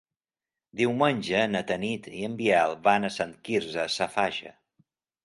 Diumenge na Tanit i en Biel van a Sant Quirze Safaja.